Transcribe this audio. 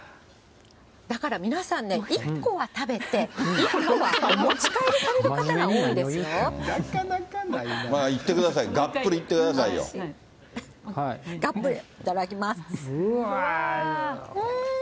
だから皆さんね、１個は食べて、１個はお持ち帰りされる方がいってください、がっぷりいがっぷり、いただきます。